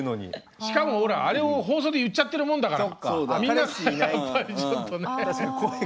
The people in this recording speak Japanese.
しかもほらあれを放送で言っちゃってるもんだからみんなやっぱりちょっとね。